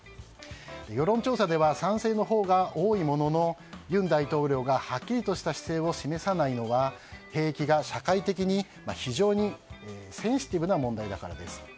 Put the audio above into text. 世論調査では賛成のほうが多いものの尹大統領がはっきりとした姿勢を示さないのは兵役が社会的に非常にセンシティブな問題だからです。